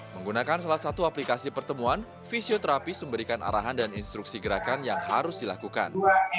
menggunakan salah satu aplikasi pertemuan fisioterapis memberikan arahan dan instruksi gerakan yang harus dilakukan